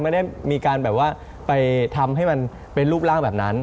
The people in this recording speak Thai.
ไม่ได้มีการแบบว่าไปทำให้มันเป็นรูปร่างแบบนั้น